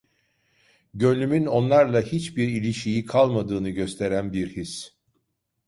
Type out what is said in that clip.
Gönlümün onlarla hiçbir ilişiği kalmadığını gösteren bir his…